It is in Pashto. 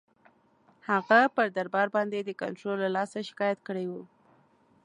هغه پر دربار باندي د کنټرول له لاسه شکایت کړی وو.